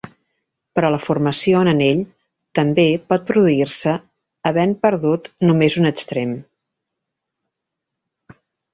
Però la formació en anell també pot produir-se havent perdut només un extrem.